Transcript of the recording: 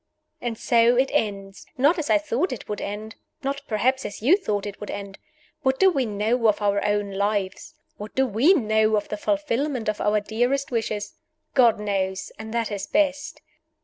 And so it ended! Not as I thought it would end; not perhaps as you thought it would end. What do we know of our own lives? What do we know of the fulfillment of our dearest wishes? God knows and that is best.